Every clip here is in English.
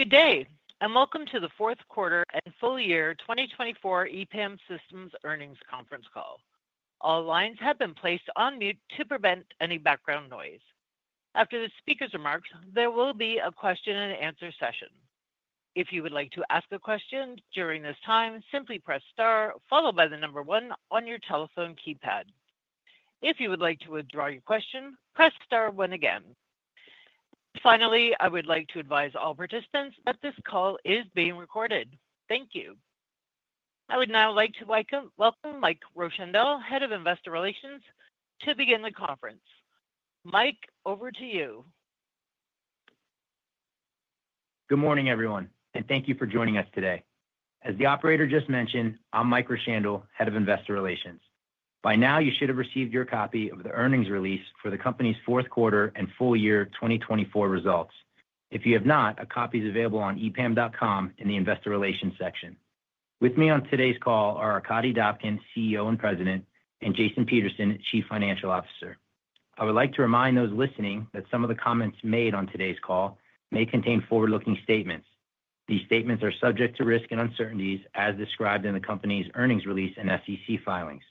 Good day, and welcome to the Fourth Quarter and Full Year 2024 EPAM Systems Earnings Conference Call. All lines have been placed on mute to prevent any background noise. After the speaker's remarks, there will be a question-and-answer session. If you would like to ask a question during this time, simply press star, followed by the number one on your telephone keypad. If you would like to withdraw your question, press star one again. Finally, I would like to advise all participants that this call is being recorded. Thank you. I would now like to welcome Mike Rothman, Head of Investor Relations, to begin the conference. Mike, over to you. Good morning, everyone, and thank you for joining us today. As the operator just mentioned, I'm Mike Rowshandel, Head of Investor Relations. By now, you should have received your copy of the earnings release for the company's fourth quarter and full year 2024 results. If you have not, a copy is available on EPAM.com in the Investor Relations section. With me on today's call are Arkadiy Dobkin, CEO and President, and Jason Peterson, Chief Financial Officer. I would like to remind those listening that some of the comments made on today's call may contain forward-looking statements. These statements are subject to risk and uncertainties, as described in the company's earnings release and SEC filings.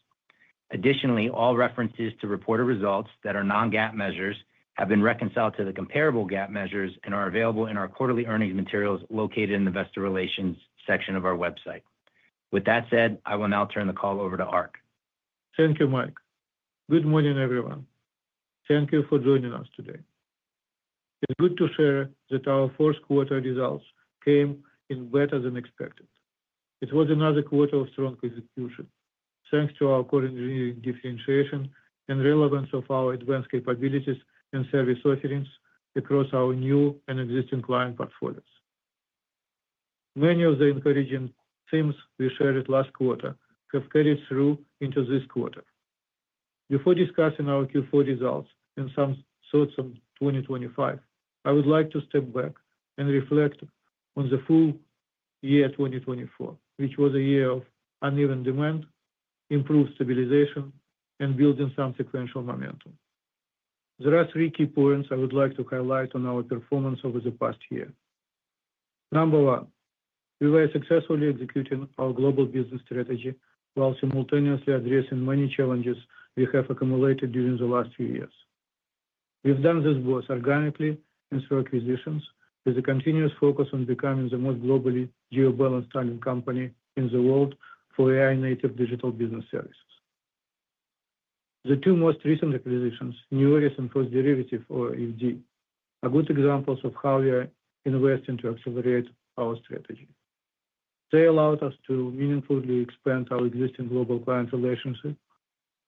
Additionally, all references to reported results that are non-GAAP measures have been reconciled to the comparable GAAP measures and are available in our quarterly earnings materials located in the Investor Relations section of our website. With that said, I will now turn the call over to Ark. Thank you, Mike. Good morning, everyone. Thank you for joining us today. It's good to share that our fourth quarter results came in better than expected. It was another quarter of strong execution, thanks to our core engineering differentiation and relevance of our advanced capabilities and service offerings across our new and existing client portfolios. Many of the encouraging themes we shared last quarter have carried through into this quarter. Before discussing our Q4 results and some thoughts on 2025, I would like to step back and reflect on the full year 2024, which was a year of uneven demand, improved stabilization, and building some sequential momentum. There are three key points I would like to highlight on our performance over the past year. Number one, we were successfully executing our global business strategy while simultaneously addressing many challenges we have accumulated during the last few years. We've done this both organically and through acquisitions, with a continuous focus on becoming the most globally geo-balanced staffing company in the world for AI-native digital business services. The two most recent acquisitions, Neoris and First Derivative, or EFD, are good examples of how we invest and to accelerate our strategy. They allowed us to meaningfully expand our existing global client relationship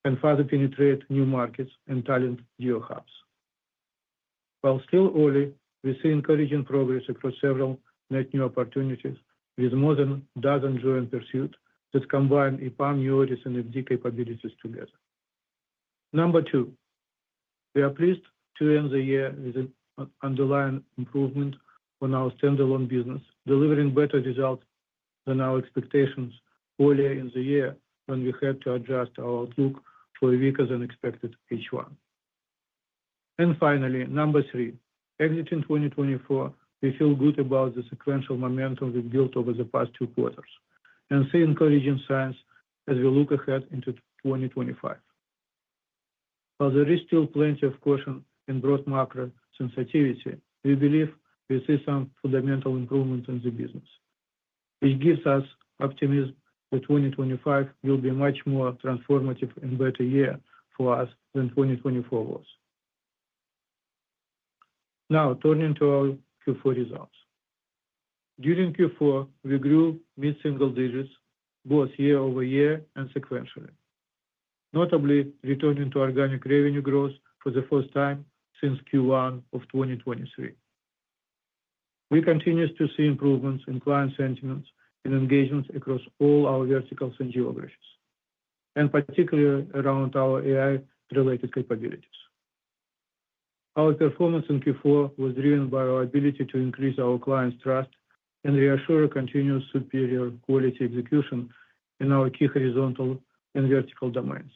and further penetrate new markets and talent geohubs. While still early, we see encouraging progress across several net new opportunities with more than a dozen joint pursuits that combine EPAM, Neoris, and EFD capabilities together. Number two, we are pleased to end the year with an underlying improvement on our standalone business, delivering better results than our expectations earlier in the year when we had to adjust our outlook for a weaker-than-expected H1. And finally, number three, exiting 2024, we feel good about the sequential momentum we've built over the past two quarters and see encouraging signs as we look ahead into 2025. While there is still plenty of caution and broad macro sensitivity, we believe we see some fundamental improvements in the business. It gives us optimism that 2025 will be a much more transformative and better year for us than 2024 was. Now, turning to our Q4 results. During Q4, we grew mid-single digits, both year-over-year and sequentially, notably returning to organic revenue growth for the first time since Q1 of 2023. We continue to see improvements in client sentiments and engagements across all our verticals and geographies, and particularly around our AI-related capabilities. Our performance in Q4 was driven by our ability to increase our clients' trust and reassure continuous superior quality execution in our key horizontal and vertical domains,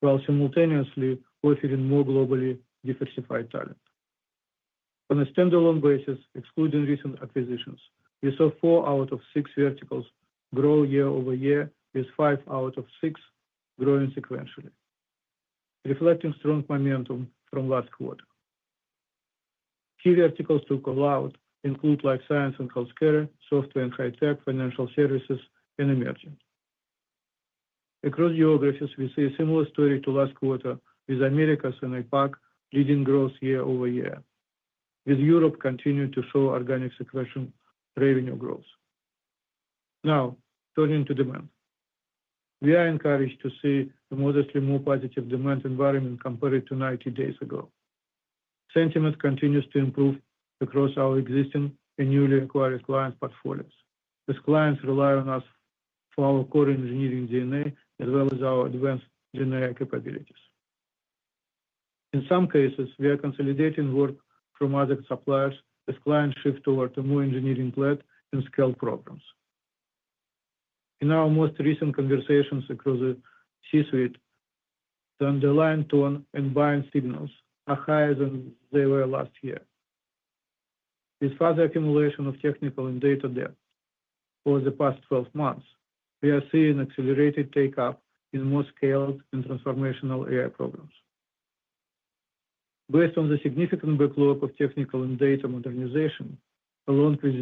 while simultaneously offering more globally diversified talent. On a standalone basis, excluding recent acquisitions, we saw four out of six verticals grow year-over-year, with five out of six growing sequentially, reflecting strong momentum from last quarter. Key verticals to call out include life science and healthcare, software and high-tech financial services, and emerging. Across geographies, we see a similar story to last quarter, with Americas and APAC leading growth year-over-year, with Europe continuing to show organic sequential revenue growth. Now, turning to demand, we are encouraged to see a modestly more positive demand environment compared to 90 days ago. Sentiment continues to improve across our existing and newly acquired client portfolios, as clients rely on us for our core engineering DNA as well as our advanced DNA capabilities. In some cases, we are consolidating work from other suppliers as clients shift over to more engineering-led and scaled programs. In our most recent conversations across the C-suite, the underlying tone and buying signals are higher than they were last year. With further accumulation of technical and data depth over the past 12 months, we are seeing accelerated take-up in more scaled and transformational AI programs. Based on the significant backlog of technical and data modernization, along with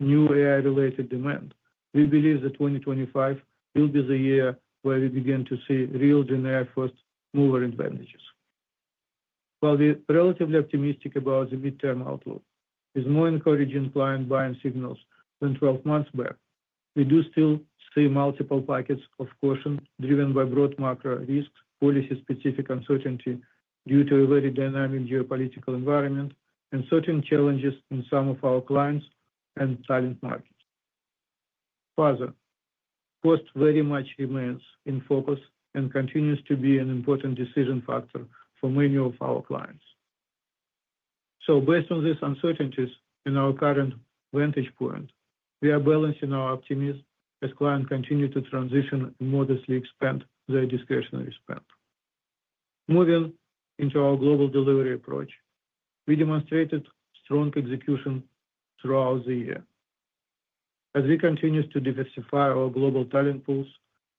new AI-related demand, we believe that 2025 will be the year where we begin to see real DNA-first mover advantages. While we are relatively optimistic about the midterm outlook, with more encouraging client buying signals than 12 months back, we do still see multiple pockets of caution driven by broad macro risks, policy-specific uncertainty due to a very dynamic geopolitical environment, and certain challenges in some of our clients' and talent markets. Further, cost very much remains in focus and continues to be an important decision factor for many of our clients. So, based on these uncertainties and our current vantage point, we are balancing our optimism as clients continue to transition and modestly expand their discretionary spend. Moving into our global delivery approach, we demonstrated strong execution throughout the year. As we continue to diversify our global talent pools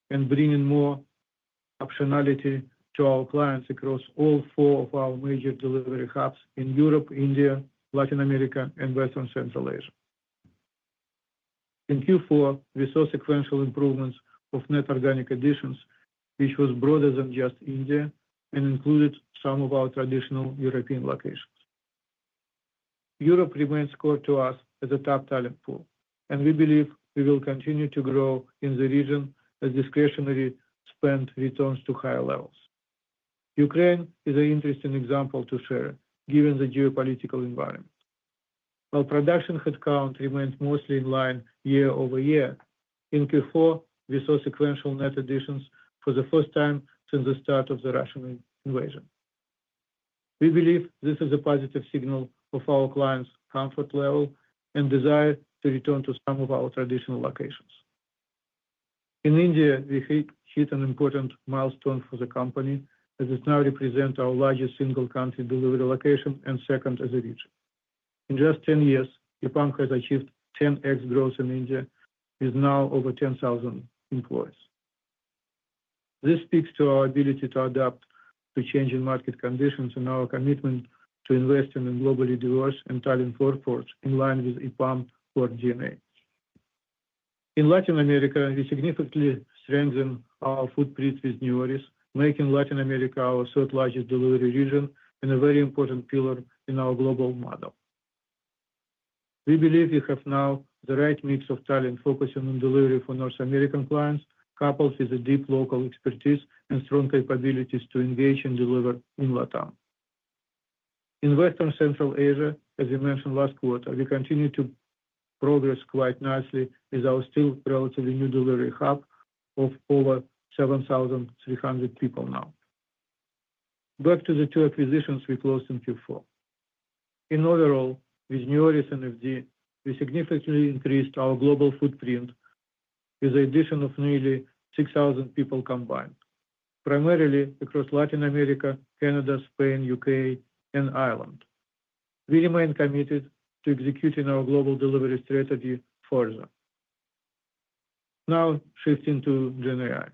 and bring in more optionality to our clients across all four of our major delivery hubs in Europe, India, Latin America, and Western Central Asia. In Q4, we saw sequential improvements of net organic additions, which was broader than just India and included some of our traditional European locations. Europe remains core to us as a top talent pool, and we believe we will continue to grow in the region as discretionary spend returns to higher levels. Ukraine is an interesting example to share, given the geopolitical environment. While production headcount remained mostly in line year-over-year, in Q4, we saw sequential net additions for the first time since the start of the Russian invasion. We believe this is a positive signal of our clients' comfort level and desire to return to some of our traditional locations. In India, we hit an important milestone for the company as it now represents our largest single-country delivery location and second as a region. In just 10 years, EPAM has achieved 10x growth in India with now over 10,000 employees. This speaks to our ability to adapt to changing market conditions and our commitment to investing in globally diverse and talented workforce in line with EPAM's core DNA. In Latin America, we significantly strengthened our footprint with Neoris, making Latin America our third-largest delivery region and a very important pillar in our global model. We believe we have now the right mix of talent focusing on delivery for North American clients, coupled with a deep local expertise and strong capabilities to engage and deliver in LatAm. In Western Central Asia, as we mentioned last quarter, we continue to progress quite nicely with our still relatively new delivery hub of over 7,300 people now. Back to the two acquisitions we closed in Q4. Overall, with Neoris and EFD, we significantly increased our global footprint with the addition of nearly 6,000 people combined, primarily across Latin America, Canada, Spain, the UK, and Ireland. We remain committed to executing our global delivery strategy further. Now, shifting to GenAI.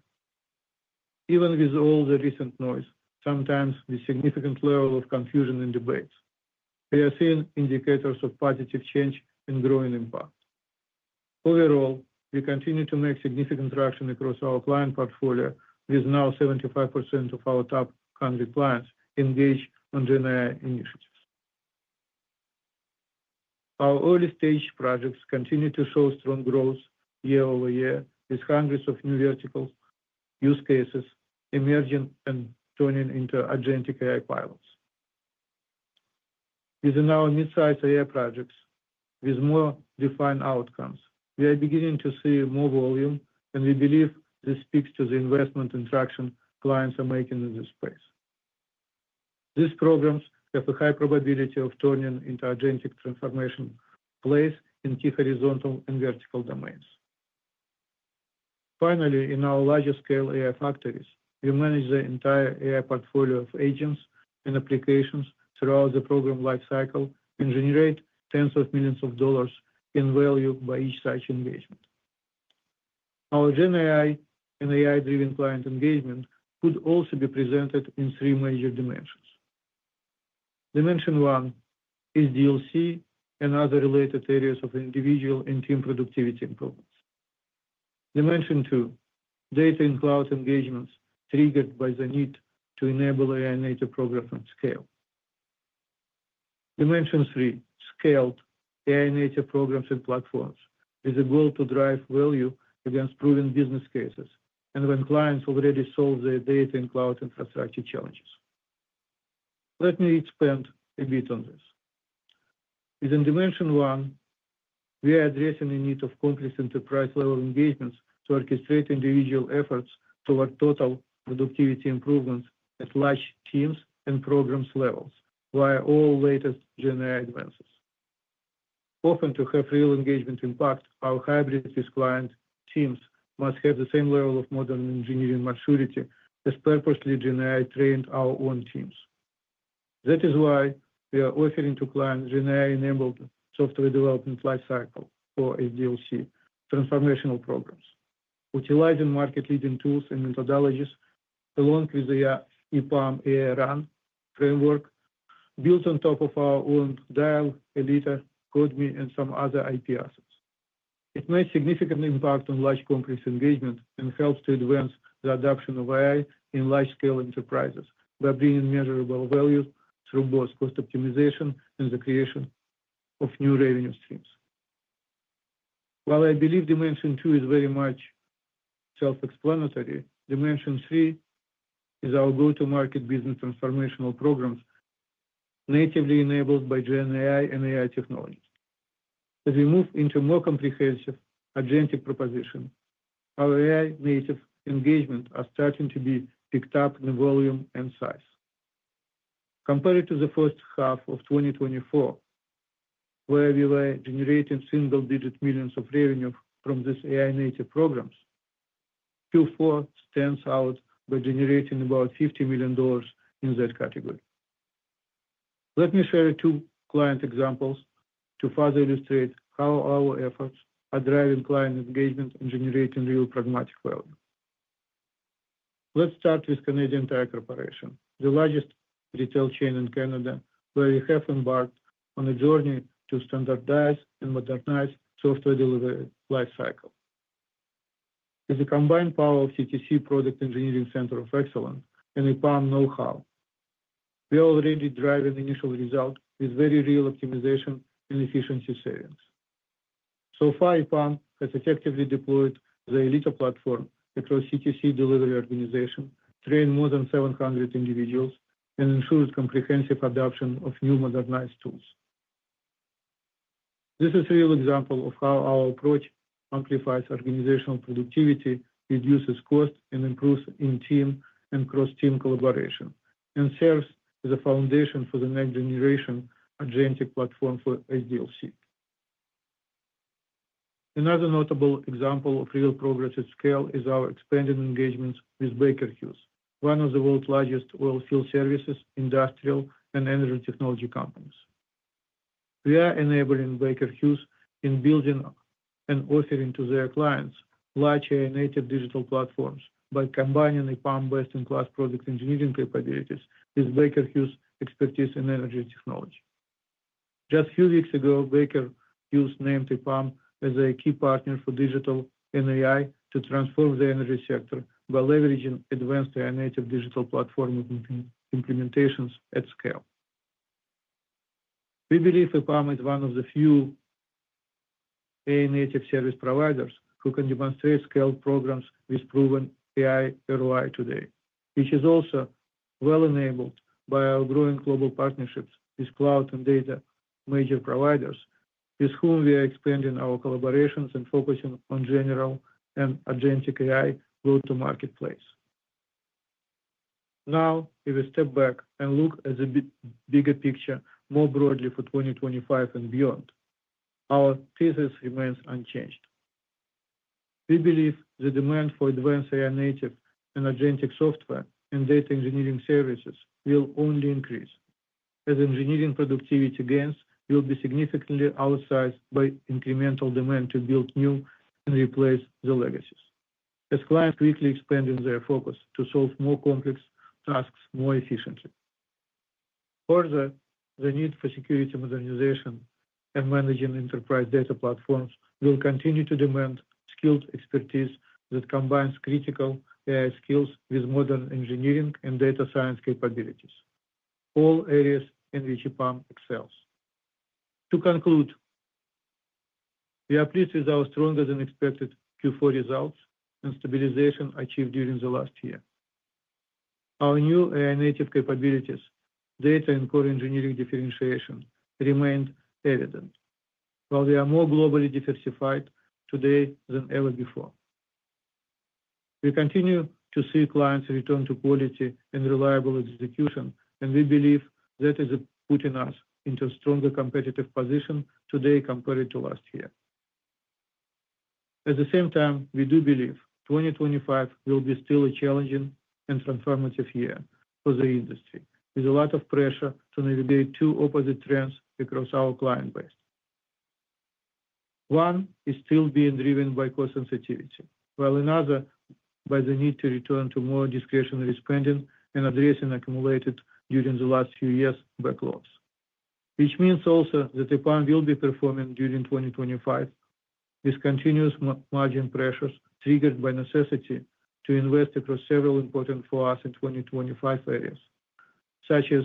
Even with all the recent noise, sometimes with significant levels of confusion and debates, we are seeing indicators of positive change and growing impact. Overall, we continue to make significant traction across our client portfolio, with now 75% of our top 100 clients engaged on GenAI initiatives. Our early-stage projects continue to show strong growth year-over-year, with hundreds of new verticals, use cases emerging, and turning into agentic AI pilots. Within our mid-size AI projects, with more defined outcomes, we are beginning to see more volume, and we believe this speaks to the investment and traction clients are making in this space. These programs have a high probability of turning into agentic transformation plays in key horizontal and vertical domains. Finally, in our larger-scale AI factories, we manage the entire AI portfolio of agents and applications throughout the program lifecycle and generate tens of millions of dollars in value by each such engagement. Our GenAI and AI-driven client engagement could also be presented in three major dimensions. Dimension one is SDLC and other related areas of individual and team productivity improvements. Dimension two, data and cloud engagements triggered by the need to enable AI-native programs at scale. Dimension three, scaled AI-native programs and platforms with a goal to drive value against proven business cases and when clients already solve their data and cloud infrastructure challenges. Let me expand a bit on this. Within dimension one, we are addressing the need of complex enterprise-level engagements to orchestrate individual efforts toward total productivity improvements at large teams and programs levels via all latest GenAI advances. Often to have real engagement impact, our hybrid client teams must have the same level of modern engineering maturity as purposely GenAI-trained our own teams. That is why we are offering to clients GenAI-enabled software development lifecycle for SDLC transformational programs, utilizing market-leading tools and methodologies along with the EPAM AI-Run framework built on top of our own DIAL, Alita, CodeMe, and some other IP assets. It makes significant impact on large complex engagement and helps to advance the adoption of AI in large-scale enterprises by bringing measurable value through both cost optimization and the creation of new revenue streams. While I believe dimension two is very much self-explanatory, dimension three is our go-to-market business transformational programs natively enabled by GenAI and AI technologies. As we move into more comprehensive agentic propositions, our AI-native engagements are starting to be picked up in volume and size. Compared to the first half of 2024, where we were generating single-digit millions of revenue from these AI-native programs, Q4 stands out by generating about $50 million in that category. Let me share two client examples to further illustrate how our efforts are driving client engagement and generating real pragmatic value. Let's start with Canadian Tire Corporation, the largest retail chain in Canada, where we have embarked on a journey to standardize and modernize software delivery lifecycle. With the combined power of CTC Product Engineering Center of Excellence and EPAM know-how, we are already driving initial results with very real optimization and efficiency savings. So far, EPAM has effectively deployed the Alita platform across CTC delivery organizations, trained more than 700 individuals, and ensured comprehensive adoption of new modernized tools. This is a real example of how our approach amplifies organizational productivity, reduces cost, and improves in-team and cross-team collaboration, and serves as a foundation for the next generation agentic platform for SDLC. Another notable example of real progress at scale is our expanding engagements with Baker Hughes, one of the world's largest oil field services, industrial, and energy technology companies. We are enabling Baker Hughes in building and offering to their clients large AI-native digital platforms by combining EPAM's best-in-class product engineering capabilities with Baker Hughes' expertise in energy technology. Just a few weeks ago, Baker Hughes named EPAM as a key partner for digital and AI to transform the energy sector by leveraging advanced AI-native digital platform implementations at scale. We believe EPAM is one of the few AI-native service providers who can demonstrate scaled programs with proven AI early today, which is also well enabled by our growing global partnerships with cloud and data major providers, with whom we are expanding our collaborations and focusing on GenAI and agentic AI go-to-market place. Now, if we step back and look at the bigger picture more broadly for 2025 and beyond, our thesis remains unchanged. We believe the demand for advanced AI-native and agentic software and data engineering services will only increase as engineering productivity gains will be significantly outsized by incremental demand to build new and replace the legacies, as clients quickly expand their focus to solve more complex tasks more efficiently. Further, the need for security modernization and managing enterprise data platforms will continue to demand skilled expertise that combines critical AI skills with modern engineering and data science capabilities, all areas in which EPAM excels. To conclude, we are pleased with our stronger-than-expected Q4 results and stabilization achieved during the last year. Our new AI-native capabilities, data and core engineering differentiation remained evident, while they are more globally diversified today than ever before. We continue to see clients return to quality and reliable execution, and we believe that is putting us into a stronger competitive position today compared to last year. At the same time, we do believe 2025 will be still a challenging and transformative year for the industry, with a lot of pressure to navigate two opposite trends across our client base. One is still being driven by cost sensitivity, while another by the need to return to more discretionary spending and addressing accumulated during the last few years' backlogs, which means also that EPAM will be performing during 2025 with continuous margin pressures triggered by necessity to invest across several important for us in 2025 areas, such as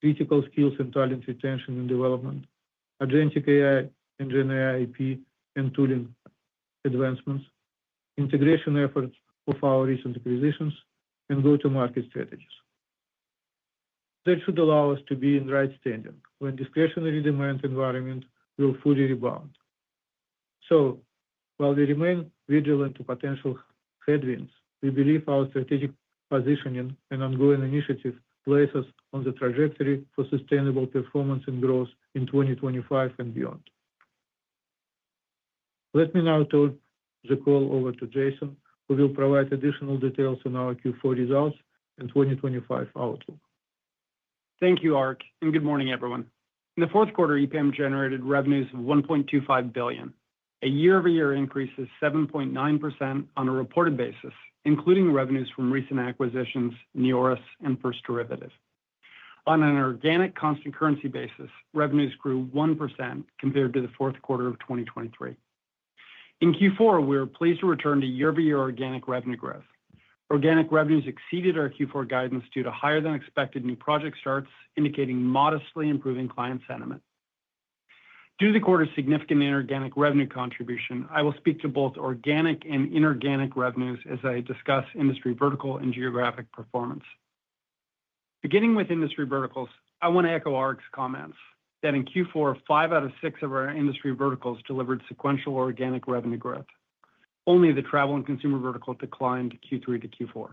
critical skills and talent retention and development, agentic AI and GenAI IP and tooling advancements, integration efforts of our recent acquisitions, and go-to-market strategies. That should allow us to be in right standing when discretionary demand environment will fully rebound. So, while we remain vigilant to potential headwinds, we believe our strategic positioning and ongoing initiative places us on the trajectory for sustainable performance and growth in 2025 and beyond. Let me now turn the call over to Jason, who will provide additional details on our Q4 results and 2025 outlook. Thank you, Ark, and good morning, everyone. In the fourth quarter, EPAM generated revenues of $1.25 billion, a year-over-year increase of 7.9% on a reported basis, including revenues from recent acquisitions, Neoris, and First Derivative. On an organic constant currency basis, revenues grew 1% compared to the fourth quarter of 2023. In Q4, we were pleased to return to year-over-year organic revenue growth. Organic revenues exceeded our Q4 guidance due to higher-than-expected new project starts, indicating modestly improving client sentiment. Due to the quarter's significant inorganic revenue contribution, I will speak to both organic and inorganic revenues as I discuss industry vertical and geographic performance. Beginning with industry verticals, I want to echo Ark's comments that in Q4, five out of six of our industry verticals delivered sequential organic revenue growth. Only the travel and consumer vertical declined Q3 to Q4.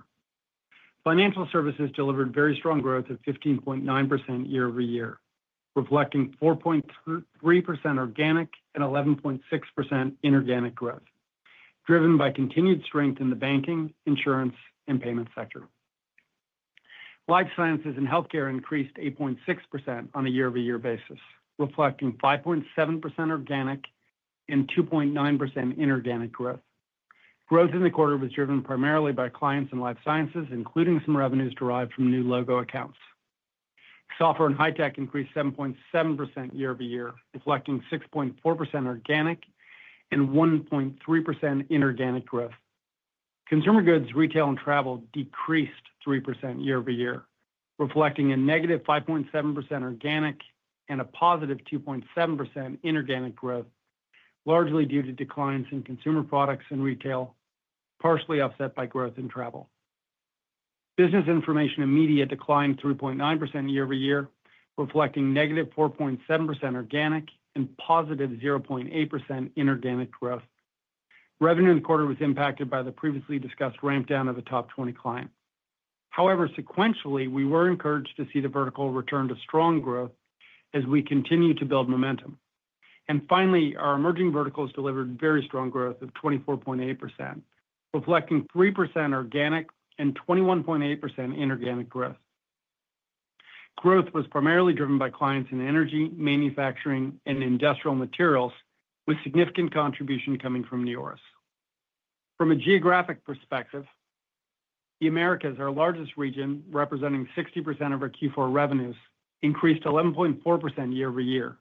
Financial services delivered very strong growth at 15.9% year-over-year, reflecting 4.3% organic and 11.6% inorganic growth, driven by continued strength in the banking, insurance, and payment sector. Life sciences and healthcare increased 8.6% on a year-over-year basis, reflecting 5.7% organic and 2.9% inorganic growth. Growth in the quarter was driven primarily by clients and life sciences, including some revenues derived from new logo accounts. Software and high-tech increased 7.7% year-over-year, reflecting 6.4% organic and 1.3% inorganic growth. Consumer goods, retail, and travel decreased 3% year-over-year, reflecting a negative 5.7% organic and a positive 2.7% inorganic growth, largely due to declines in consumer products and retail, partially offset by growth in travel. Business information and media declined 3.9% year-over-year, reflecting negative 4.7% organic and positive 0.8% inorganic growth. Revenue in the quarter was impacted by the previously discussed ramp-down of the top 20 clients. However, sequentially, we were encouraged to see the verticals return to strong growth as we continue to build momentum. Finally, our emerging verticals delivered very strong growth of 24.8%, reflecting 3% organic and 21.8% inorganic growth. Growth was primarily driven by clients in energy, manufacturing, and industrial materials, with significant contribution coming from Neoris. From a geographic perspective, the Americas, our largest region representing 60% of our Q4 revenues, increased 11.4% year-over-year,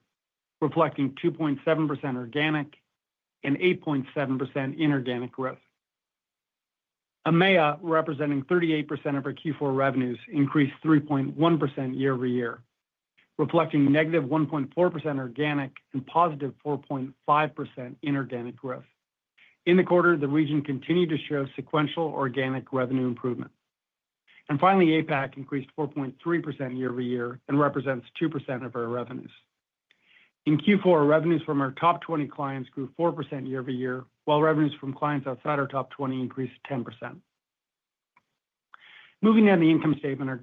reflecting 2.7% organic and 8.7% inorganic growth. EMEA, representing 38% of our Q4 revenues, increased 3.1% year-over-year, reflecting negative 1.4% organic and positive 4.5% inorganic growth. In the quarter, the region continued to show sequential organic revenue improvement. Finally, APAC increased 4.3% year-over-year and represents 2% of our revenues. In Q4, revenues from our top 20 clients grew 4% year-over-year, while revenues from clients outside our top 20 increased 10%. Moving down the income statement, our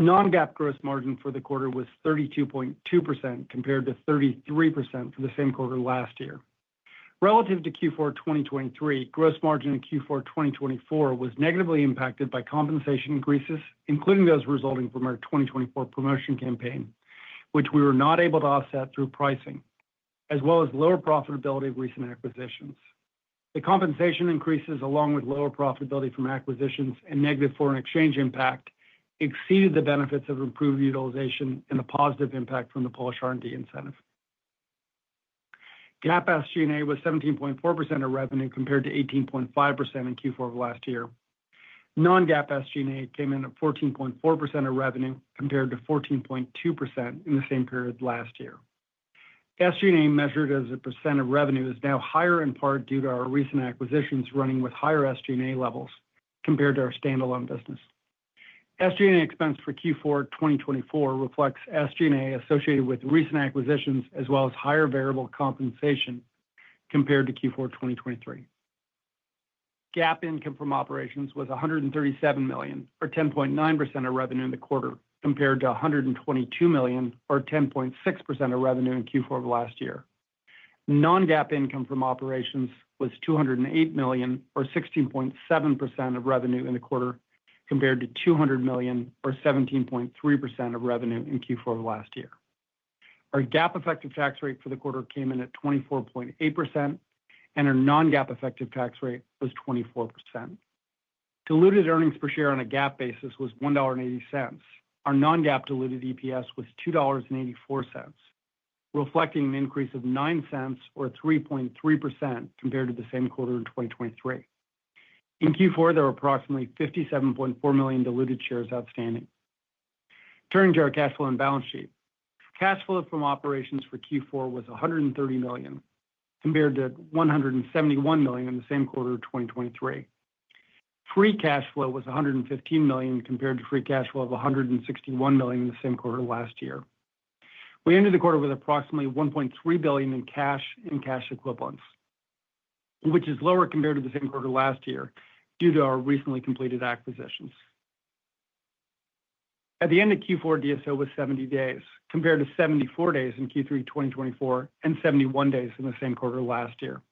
GAAP gross margin for the quarter was 30.4% compared to 31.1% in Q4 of last year. Non-GAAP gross margin for the quarter was 32.2% compared to 33% for the same quarter last year. Relative to Q4 2023, gross margin in Q4 2024 was negatively impacted by compensation increases, including those resulting from our 2024 promotion campaign, which we were not able to offset through pricing, as well as lower profitability of recent acquisitions. The compensation increases, along with lower profitability from acquisitions and negative foreign exchange impact, exceeded the benefits of improved utilization and the positive impact from the Polish R&D incentive. GAAP SG&A was 17.4% of revenue compared to 18.5% in Q4 of last year. Non-GAAP SG&A came in at 14.4% of revenue compared to 14.2% in the same period last year. SG&A measured as a % of revenue is now higher in part due to our recent acquisitions running with higher SG&A levels compared to our standalone business. SG&A expense for Q4 2024 reflects SG&A associated with recent acquisitions as well as higher variable compensation compared to Q4 2023. GAAP income from operations was $137 million, or 10.9% of revenue in the quarter, compared to $122 million, or 10.6% of revenue in Q4 of last year. Non-GAAP income from operations was $208 million, or 16.7% of revenue in the quarter, compared to $200 million, or 17.3% of revenue in Q4 of last year. Our GAAP-effective tax rate for the quarter came in at 24.8%, and our Non-GAAP effective tax rate was 24%. Diluted earnings per share on a GAAP basis was $1.80. Our non-GAAP diluted EPS was $2.84, reflecting an increase of nine cents, or 3.3%, compared to the same quarter in 2023. In Q4, there were approximately 57.4 million diluted shares outstanding. Turning to our cash flow and balance sheet, cash flow from operations for Q4 was $130 million, compared to $171 million in the same quarter of 2023. Free cash flow was $115 million, compared to free cash flow of $161 million in the same quarter last year. We ended the quarter with approximately $1.3 billion in cash and cash equivalents, which is lower compared to the same quarter last year due to our recently completed acquisitions. At the end of Q4, DSO was 70 days, compared to 74 days in Q3 2024 and 71 days in the same quarter last year.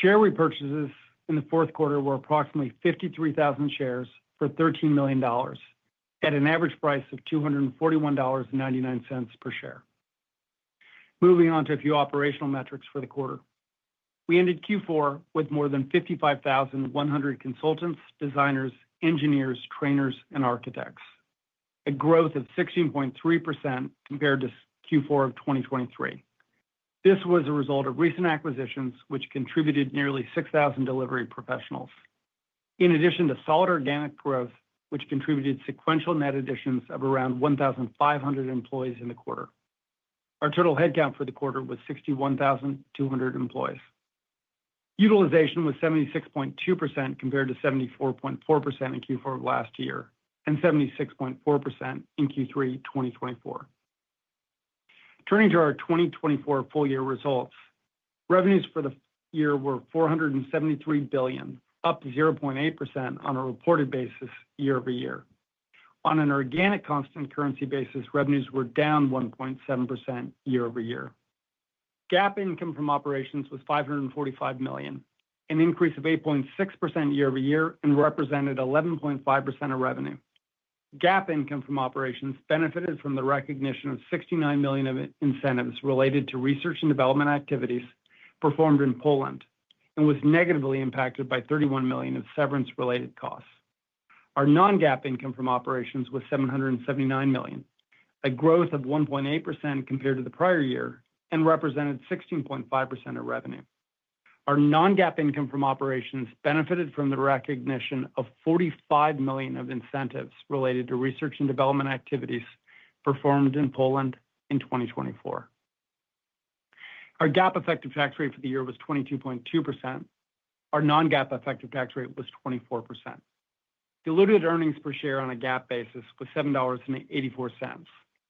Share repurchases in the fourth quarter were approximately 53,000 shares for $13 million, at an average price of $241.99 per share. Moving on to a few operational metrics for the quarter. We ended Q4 with more than 55,100 consultants, designers, engineers, trainers, and architects, a growth of 16.3% compared to Q4 of 2023. This was a result of recent acquisitions, which contributed nearly 6,000 delivery professionals, in addition to solid organic growth, which contributed sequential net additions of around 1,500 employees in the quarter. Our total headcount for the quarter was 61,200 employees. Utilization was 76.2% compared to 74.4% in Q4 of last year and 76.4% in Q3 2024. Turning to our 2024 full-year results, revenues for the year were $4.73 billion, up 0.8% on a reported basis year-over-year. On an organic constant currency basis, revenues were down 1.7% year-over-year. GAAP income from operations was 545 million, an increase of 8.6% year-over-year, and represented 11.5% of revenue. GAAP income from operations benefited from the recognition of 69 million of incentives related to research and development activities performed in Poland and was negatively impacted by 31 million of severance-related costs. Our non-GAAP income from operations was 779 million, a growth of 1.8% compared to the prior year and represented 16.5% of revenue. Our non-GAAP income from operations benefited from the recognition of 45 million of incentives related to research and development activities performed in Poland in 2024. Our GAAP effective tax rate for the year was 22.2%. Our non-GAAP effective tax rate was 24%. Diluted earnings per share on a GAAP basis was $7.84.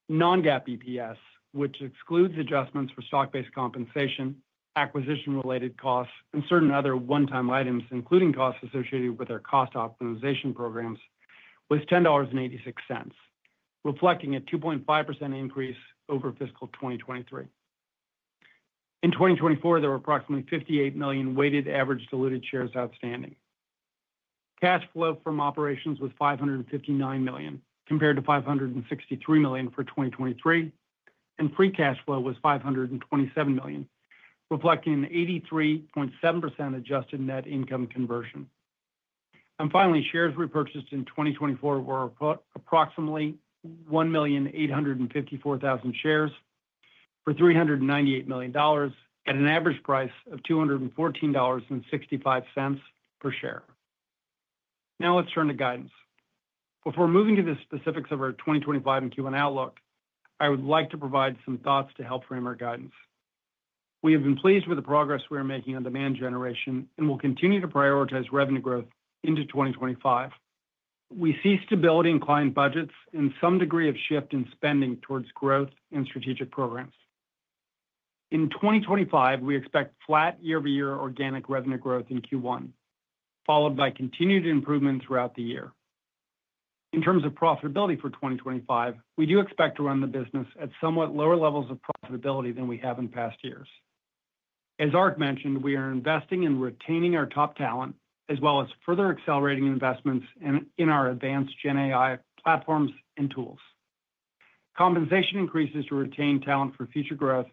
Non-GAAP EPS, which excludes adjustments for stock-based compensation, acquisition-related costs, and certain other one-time items, including costs associated with our cost optimization programs, was $10.86, reflecting a 2.5% increase over fiscal 2023. In 2024, there were approximately 58 million weighted average diluted shares outstanding. Cash flow from operations was $559 million, compared to $563 million for 2023, and free cash flow was $527 million, reflecting an 83.7% adjusted net income conversion. And finally, shares repurchased in 2024 were approximately 1,854,000 shares for $398 million at an average price of $214.65 per share. Now let's turn to guidance. Before moving to the specifics of our 2025 and Q1 outlook, I would like to provide some thoughts to help frame our guidance. We have been pleased with the progress we are making on demand generation and will continue to prioritize revenue growth into 2025. We see stability in client budgets and some degree of shift in spending towards growth and strategic programs. In 2025, we expect flat year-over-year organic revenue growth in Q1, followed by continued improvement throughout the year. In terms of profitability for 2025, we do expect to run the business at somewhat lower levels of profitability than we have in past years. As Arc mentioned, we are investing in retaining our top talent as well as further accelerating investments in our advanced GenAI platforms and tools. Compensation increases to retain talent for future growth,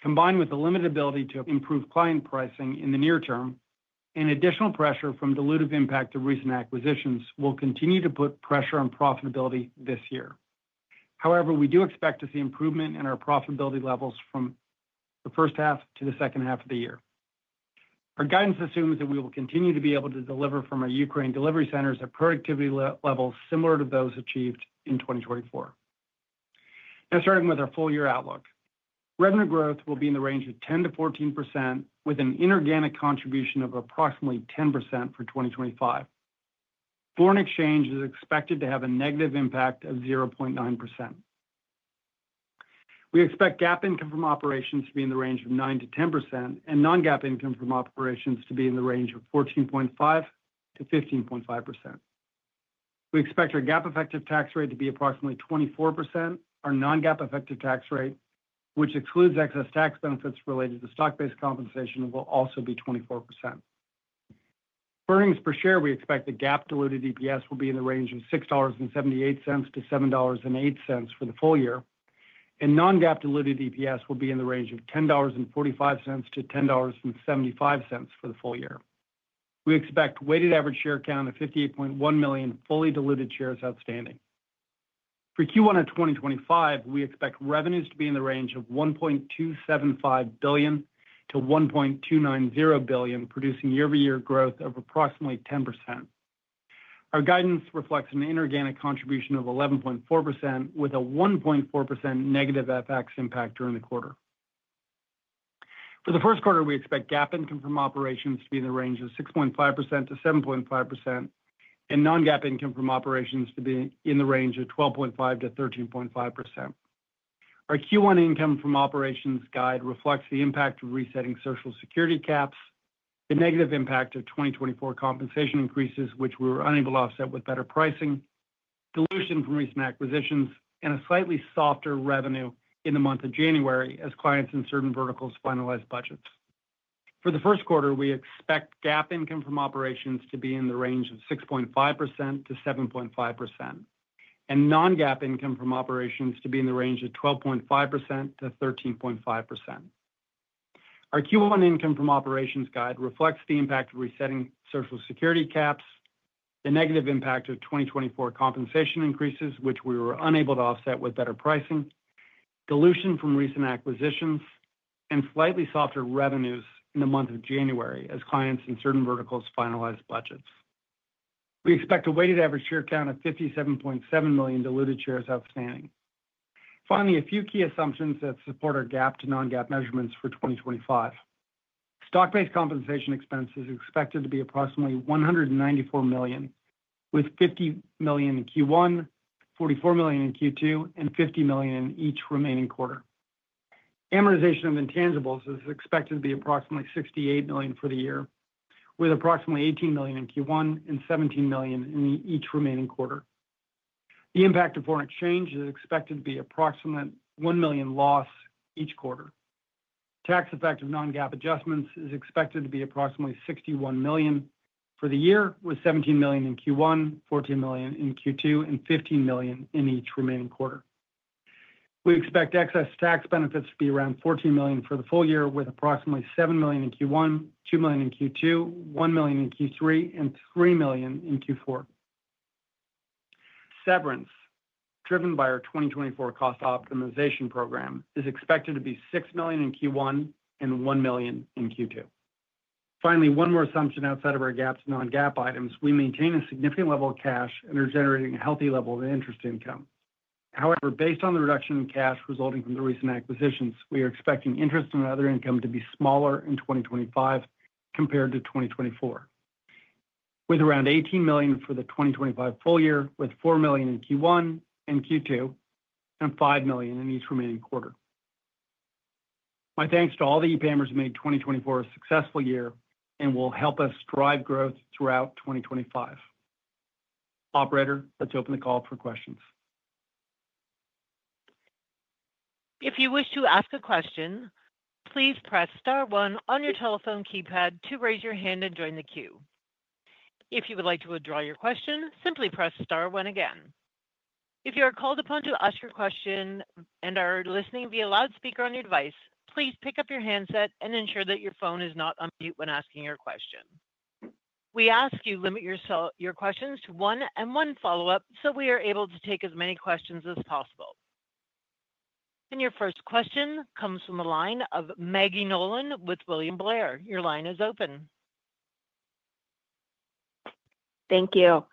combined with the limited ability to improve client pricing in the near term, and additional pressure from diluted impact of recent acquisitions will continue to put pressure on profitability this year. However, we do expect to see improvement in our profitability levels from the first half to the second half of the year. Our guidance assumes that we will continue to be able to deliver from our Ukraine delivery centers at productivity levels similar to those achieved in 2024. Now, starting with our full-year outlook, revenue growth will be in the range of 10%-14%, with an inorganic contribution of approximately 10% for 2025. Foreign exchange is expected to have a negative impact of 0.9%. We expect GAAP income from operations to be in the range of 9%-10% and non-GAAP income from operations to be in the range of 14.5%-15.5%. We expect our GAAP-effective tax rate to be approximately 24%. Our non-GAAP effective tax rate, which excludes excess tax benefits related to stock-based compensation, will also be 24%. Earnings per share, we expect the GAAP-diluted EPS will be in the range of $6.78-$7.08 for the full year, and non-GAAP-diluted EPS will be in the range of $10.45-$10.75 for the full year. We expect weighted average share count of 58.1 million fully diluted shares outstanding. For Q1 of 2025, we expect revenues to be in the range of $1.275 billion-$1.290 billion, producing year-over-year growth of approximately 10%. Our guidance reflects an inorganic contribution of 11.4%, with a 1.4% negative FX impact during the quarter. For the first quarter, we expect GAAP income from operations to be in the range of 6.5%-7.5%, and non-GAAP income from operations to be in the range of 12.5%-13.5%. Our Q1 income from operations guide reflects the impact of resetting Social Security caps, the negative impact of 2024 compensation increases, which we were unable to offset with better pricing, dilution from recent acquisitions, and a slightly softer revenue in the month of January as clients in certain verticals finalized budgets. For the first quarter, we expect GAAP income from operations to be in the range of 6.5%-7.5%, and non-GAAP income from operations to be in the range of 12.5%-13.5%. We expect a weighted average share count of 57.7 million diluted shares outstanding. Finally, a few key assumptions that support our GAAP to non-GAAP measurements for 2025. Stock-based compensation expense is expected to be approximately $194 million, with $50 million in Q1, $44 million in Q2, and $50 million in each remaining quarter. Amortization of intangibles is expected to be approximately $68 million for the year, with approximately $18 million in Q1 and $17 million in each remaining quarter. The impact of foreign exchange is expected to be approximately $1 million loss each quarter. Tax-effected non-GAAP adjustments are expected to be approximately $61 million for the year, with $17 million in Q1, $14 million in Q2, and $15 million in each remaining quarter. We expect excess tax benefits to be around $14 million for the full year, with approximately $7 million in Q1, $2 million in Q2, $1 million in Q3, and $3 million in Q4. Severance, driven by our 2024 cost optimization program, is expected to be $6 million in Q1 and $1 million in Q2. Finally, one more assumption outside of our GAAP-to-non-GAAP items. We maintain a significant level of cash and are generating a healthy level of interest income. However, based on the reduction in cash resulting from the recent acquisitions, we are expecting interest on other income to be smaller in 2025 compared to 2024, with around $18 million for the 2025 full year, with $4 million in Q1 and Q2, and $5 million in each remaining quarter. My thanks to all the EPAMers who made 2024 a successful year and will help us drive growth throughout 2025. Operator, let's open the call for questions. If you wish to ask a question, please press star one on your telephone keypad to raise your hand and join the queue. If you would like to withdraw your question, simply press star one again. If you are called upon to ask your question and are listening via loudspeaker on your device, please pick up your handset and ensure that your phone is not on mute when asking your question. We ask you to limit your questions to one and one follow-up so we are able to take as many questions as possible. And your first question comes from the line of Maggie Nolan with William Blair. Your line is open. Thank you.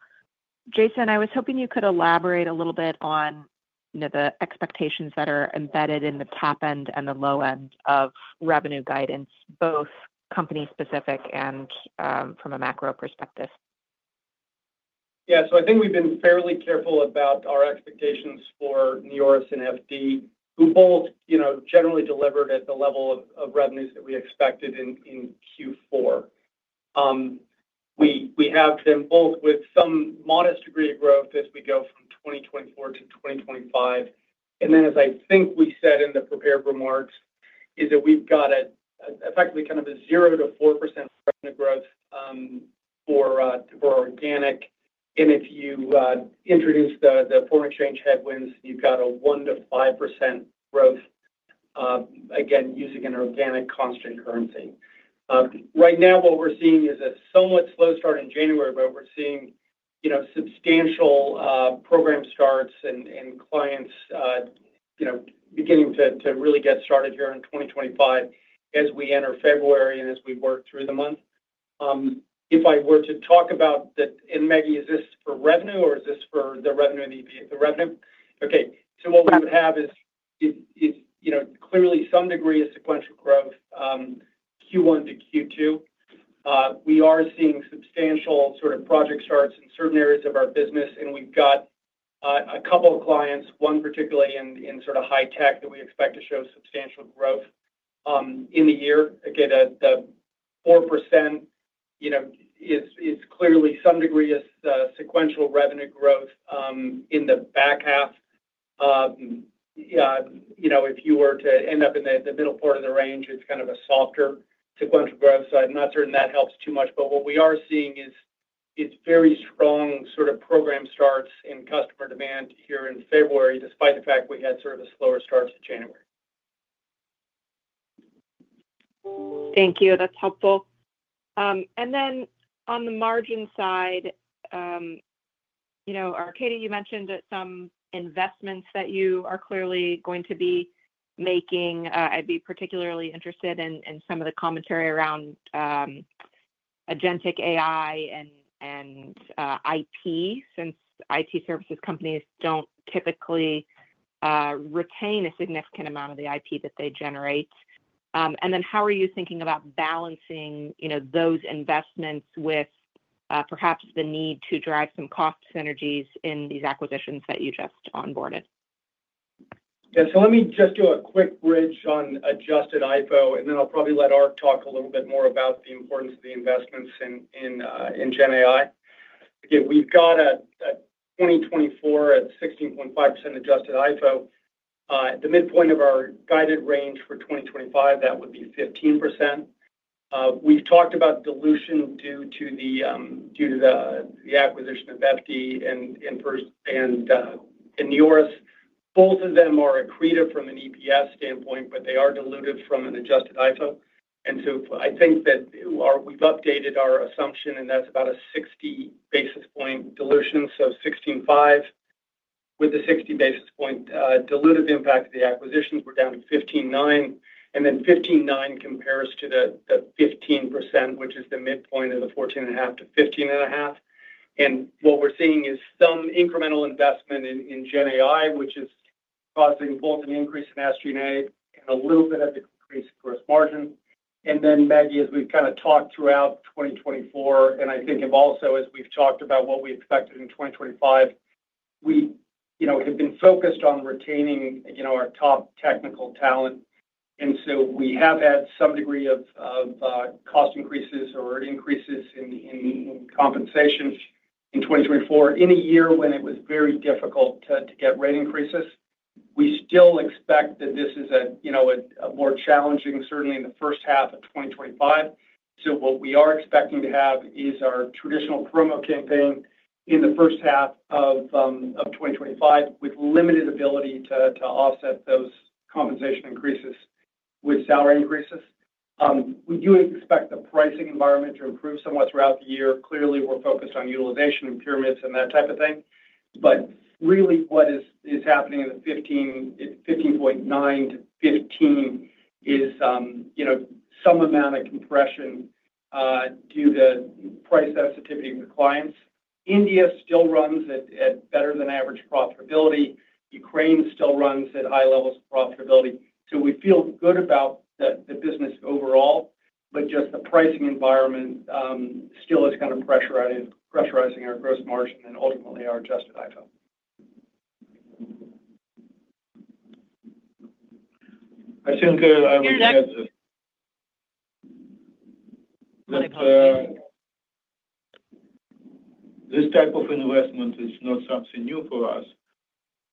Jason, I was hoping you could elaborate a little bit on the expectations that are embedded in the top end and the low end of revenue guidance, both company-specific and from a macro perspective. Yeah, so I think we've been fairly careful about our expectations for Neoris and FD, who both generally delivered at the level of revenues that we expected in Q4. We have them both with some modest degree of growth as we go from 2024 to 2025. And then, as I think we said in the prepared remarks, is that we've got effectively kind of a 0-4% revenue growth for organic. And if you introduce the foreign exchange headwinds, you've got a 1-5% growth, again, using an organic constant currency. Right now, what we're seeing is a somewhat slow start in January, but we're seeing substantial program starts and clients beginning to really get started here in 2025 as we enter February and as we work through the month. If I were to talk about that, and Maggie, is this for revenue or is this for the revenue and the EPAM for revenue? Okay, so what we would have is clearly some degree of sequential growth Q1 to Q2. We are seeing substantial sort of project starts in certain areas of our business, and we've got a couple of clients, one particularly in sort of high tech that we expect to show substantial growth in the year. Again, the 4% is clearly some degree of sequential revenue growth in the back half. If you were to end up in the middle part of the range, it's kind of a softer sequential growth. So I'm not certain that helps too much, but what we are seeing is very strong sort of program starts in customer demand here in February, despite the fact we had sort of a slower start to January. Thank you. That's helpful. And then on the margin side, Arkadiy, you mentioned some investments that you are clearly going to be making. I'd be particularly interested in some of the commentary around agentic AI and IP, since IT services companies don't typically retain a significant amount of the IP that they generate. And then how are you thinking about balancing those investments with perhaps the need to drive some cost synergies in these acquisitions that you just onboarded? Yeah. So let me just do a quick bridge on adjusted EBITDA, and then I'll probably let Arkadiy talk a little bit more about the importance of the investments in GenAI. Again, we've got a 2024 at 16.5% adjusted EBITDA. At the midpoint of our guided range for 2025, that would be 15%. We've talked about dilution due to the acquisition of FD and Neoris. Both of them are accretive from an EPS standpoint, but they are diluted from an adjusted EBITDA. And so I think that we've updated our assumption, and that's about a 60 basis point dilution, so 16.5%. With the 60 basis point dilutive impact of the acquisitions, we're down to 15.9%. And then 15.9% compares to the 15%, which is the midpoint of the 14.5%-15.5%. And what we're seeing is some incremental investment in GenAI, which is causing both an increase in SG&A and a little bit of a decrease in gross margin. Maggie, as we've kind of talked throughout 2024, and I think have also, as we've talked about what we expected in 2025, we have been focused on retaining our top technical talent. We have had some degree of cost increases or increases in compensation in 2024, in a year when it was very difficult to get rate increases. We still expect that this is a more challenging, certainly in the first half of 2025. What we are expecting to have is our traditional promo campaign in the first half of 2025, with limited ability to offset those compensation increases with salary increases. We do expect the pricing environment to improve somewhat throughout the year. Clearly, we're focused on utilization and pyramids and that type of thing. But really, what is happening in the 15.9%-15% is some amount of compression due to price sensitivity with clients. India still runs at better than average profitability. Ukraine still runs at high levels of profitability. So we feel good about the business overall, but just the pricing environment still is kind of pressurizing our gross margin and ultimately our adjusted EBITDA. I think this type of investment is not something new for us.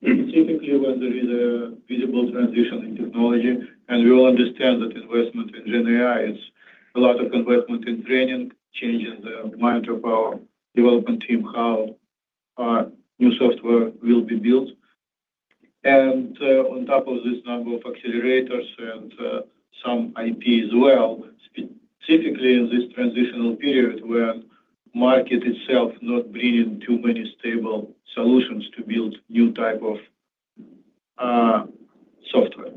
Specifically, when there is a visible transition in technology, and we all understand that investment in GenAI, it's a lot of investment in training, changing the mind of our development team how new software will be built. And on top of this number of accelerators and some IP as well, specifically in this transitional period when the market itself is not bringing too many stable solutions to build new types of software.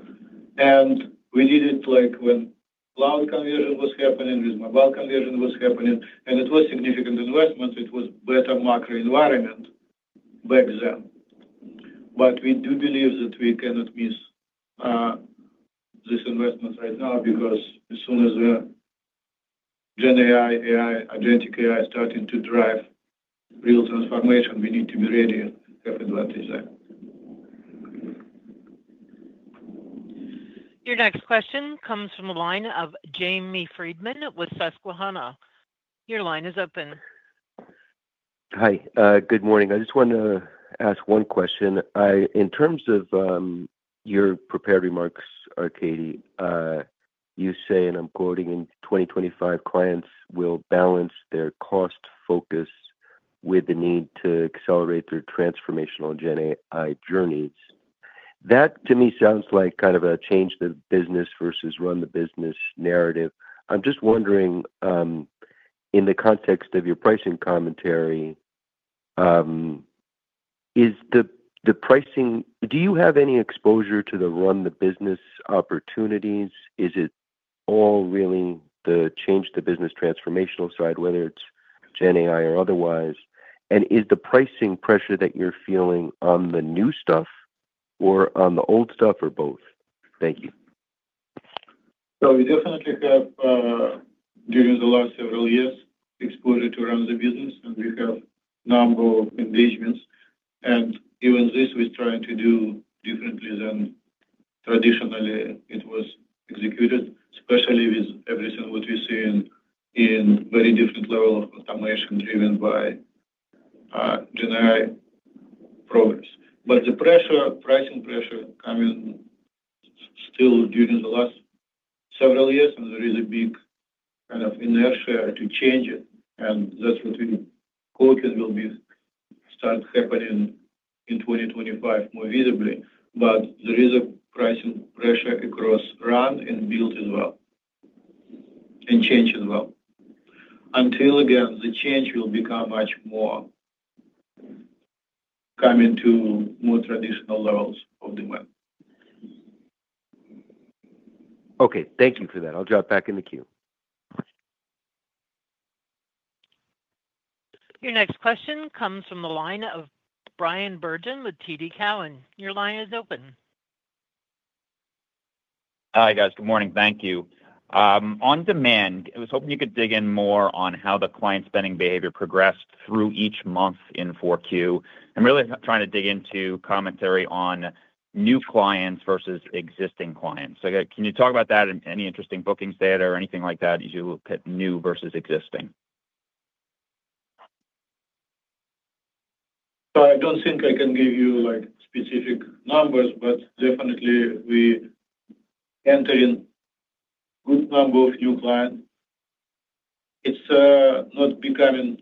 And we did it like when cloud conversion was happening, with mobile conversion was happening, and it was a significant investment. It was a better macro environment back then. But we do believe that we cannot miss this investment right now because as soon as the GenAI, Agentic AI is starting to drive real transformation, we need to be ready to have advantage there. Your next question comes from the line of Jamie Friedman with Susquehanna. Your line is open. Hi. Good morning. I just want to ask one question. In terms of your prepared remarks, Arkadiy, you say, and I'm quoting, "In 2025, clients will balance their cost focus with the need to accelerate their transformational GenAI journeys." That, to me, sounds like kind of a change the business versus run the business narrative. I'm just wondering, in the context of your pricing commentary, do you have any exposure to the run the business opportunities? Is it all really the change the business transformational side, whether it's GenAI or otherwise? And is the pricing pressure that you're feeling on the new stuff or on the old stuff or both? Thank you. So we definitely have, during the last several years, exposure to run the business, and we have a number of engagements. And even this, we're trying to do differently than traditionally it was executed, especially with everything that we see in very different levels of automation driven by GenAI progress. But the pricing pressure is coming still during the last several years, and there is a big kind of inertia to change it. And that's what we're hoping will start happening in 2025 more visibly. But there is a pricing pressure across run and build as well, and change as well. Until, again, the change will become much more coming to more traditional levels of demand. Okay. Thank you for that. I'll drop back in the queue. Your next question comes from the line of Bryan Bergin with TD Cowen, and your line is open. Hi, guys. Good morning. Thank you. On demand, I was hoping you could dig in more on how the client spending behavior progressed through each month in 4Q. I'm really trying to dig into commentary on new clients versus existing clients. So can you talk about that and any interesting bookings there or anything like that, new versus existing? So I don't think I can give you specific numbers, but definitely, we are entering a good number of new clients. It's not becoming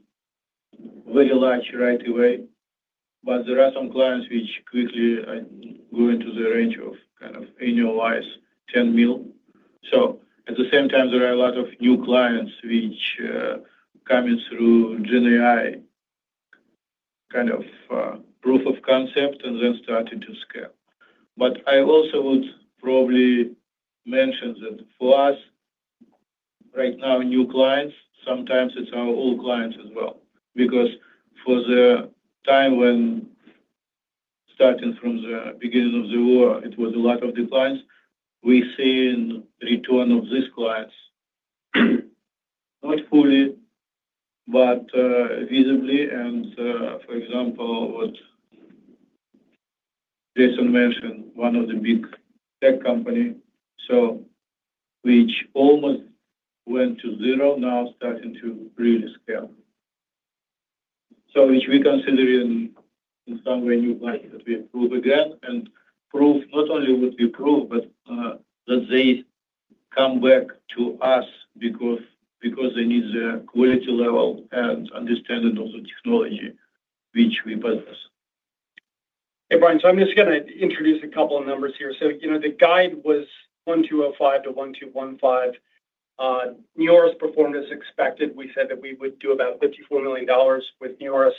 very large right away, but there are some clients which quickly go into the range of kind of annualized $10 million. So at the same time, there are a lot of new clients which are coming through GenAI kind of proof of concept and then starting to scale. But I also would probably mention that for us, right now, new clients, sometimes it's our old clients as well. Because for the time when starting from the beginning of the war, it was a lot of declines. We're seeing a return of these clients, not fully, but visibly, and for example, what Jason mentioned, one of the big tech companies, which almost went to zero, now starting to really scale. So if we're considering in some way new clients that we approve again and prove, not only would we prove, but that they come back to us because they need the quality level and understanding of the technology which we possess. Hey, Brian. So I'm just going to introduce a couple of numbers here. So the guide was $1,205-$1,215. Neoris performed as expected. We said that we would do about $54 million with Neoris.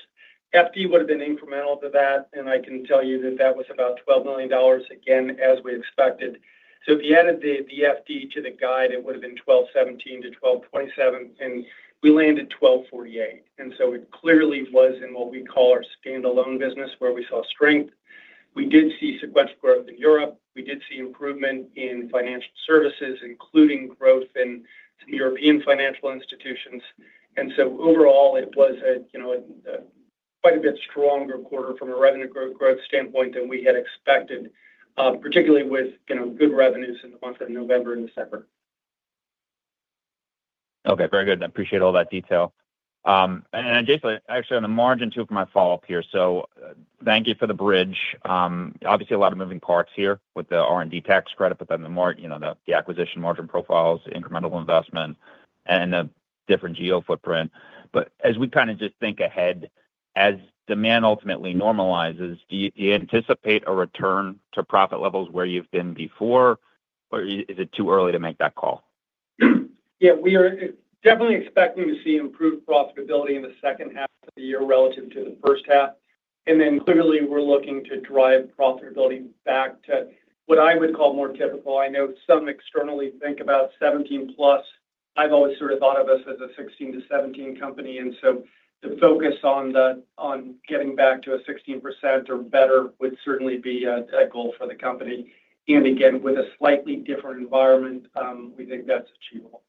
FD would have been incremental to that, and I can tell you that that was about $12 million, again, as we expected. So if you added the FD to the guide, it would have been $1,217-$1,227, and we landed $1,248. And so it clearly was in what we call our standalone business where we saw strength. We did see sequential growth in Europe. We did see improvement in financial services, including growth in some European financial institutions, and so overall, it was quite a bit stronger quarter from a revenue growth standpoint than we had expected, particularly with good revenues in the month of November and December. Okay. Very good. I appreciate all that detail, and Jason, actually, on the margin too for my follow-up here, so thank you for the bridge. Obviously, a lot of moving parts here with the R&D tax credit, but then the acquisition margin profiles, incremental investment, and the different geo footprint, but as we kind of just think ahead, as demand ultimately normalizes, do you anticipate a return to profit levels where you've been before, or is it too early to make that call? Yeah. We are definitely expecting to see improved profitability in the second half of the year relative to the first half. And then clearly, we're looking to drive profitability back to what I would call more typical. I know some externally think about 17 plus. I've always sort of thought of us as a 16 to 17 company. And so the focus on getting back to a 16% or better would certainly be a goal for the company. And again, with a slightly different environment, we think that's achievable.